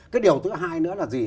cái điều thứ hai nữa là gì